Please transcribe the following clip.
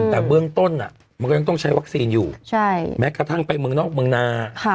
แต่เบื้องต้นมันก็ยังต้องใช้วัคซีนอยู่แม้กระทั่งไปเมืองนอกเมืองนา